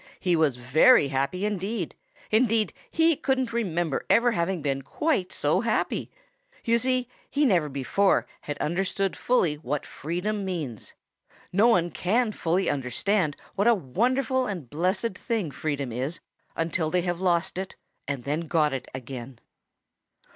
He was very happy indeed. Indeed he couldn't remember ever having been quite so happy. You see, he never before had understood fully what freedom means. No one can fully understand what a wonderful and blessed thing freedom is until they have lost it and then got it again.